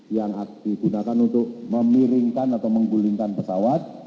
yang digunakan untuk memiringkan atau menggulingkan pesawat